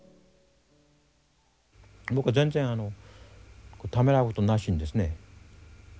僕は全然ためらうことなしにですね